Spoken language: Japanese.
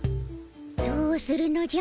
どうするのじゃ？